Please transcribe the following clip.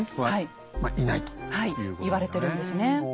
はい言われてるんですね。